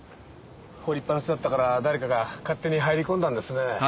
放りっぱなしだったから誰かが勝手に入り込んだんですね。